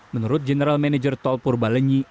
menurut general manager tol purbalenyi